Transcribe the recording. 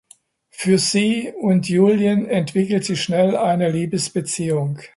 Für sie und Julien entwickelt sich schnell eine Liebesbeziehung.